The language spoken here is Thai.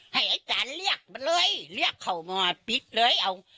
ให้ไอ้จานเรียกมันเลยเรียกเขาหมอปิ๊บเลย